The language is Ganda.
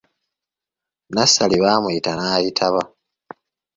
Nassali b'amuyita n'ayitaba.